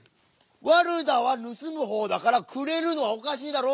ワルダはぬすむほうだからくれるのはおかしいだろう？